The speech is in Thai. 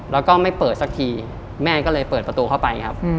แล้วก็ไม่เปิดสักทีแม่ก็เลยเปิดประตูเข้าไปครับ